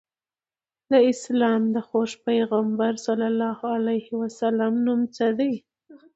د اسلام د خوږ پیغمبر ص نوم څه دی؟